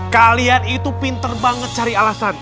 kalian itu pinter banget cari alasan